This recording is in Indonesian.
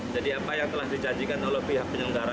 jadi apa yang telah dijanjikan oleh pihak penyelenggara